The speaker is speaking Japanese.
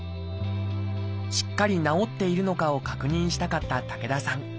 しっかり治っているのかを確認したかった武田さん。